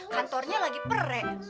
kantornya lagi pere